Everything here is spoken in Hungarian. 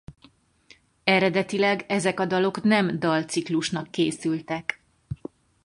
Eredetileg ezek a dalok nem dalciklusnak készültek.